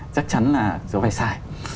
chắc chắn là do vay sai